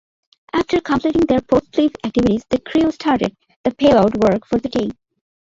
After completing their post-sleep activities, the crew started the payload work for the day.